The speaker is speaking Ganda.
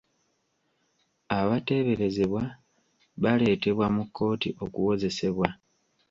Abateeberezebwa baleetebwa mu kkooti okuwozesebwa.